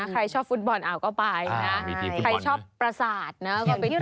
ใครชอบฟุตบอลอารก็ไปใครชอบประสาทนะก็ไปเที่ยว